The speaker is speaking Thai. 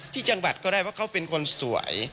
ที่จังหวัดก็ได้ว่าเขาเป็นคนสวย